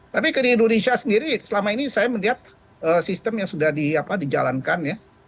tapi di indonesia sendiri selama ini saya melihat sistem yang sudah dijalankan ya